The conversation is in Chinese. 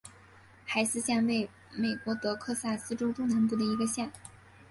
海斯县位美国德克萨斯州中南部的一个县。